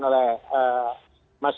seperti yang tadi dikatakan